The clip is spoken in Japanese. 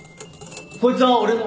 こいつは俺の